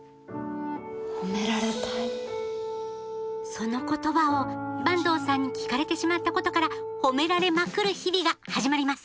その言葉を坂東さんに聞かれてしまったことから「褒められまくる」日々が始まります！